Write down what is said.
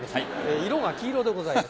色が黄色でございます。